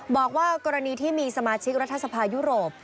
บอกว่ากรณีที่มีสมาชิกรัฐสภายุโรป